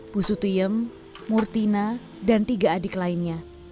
pusu tiem murtina dan tiga adik lainnya